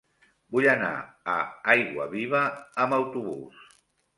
Vull anar a Aiguaviva amb autobús.